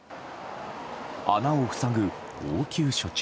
穴を塞ぐ応急処置。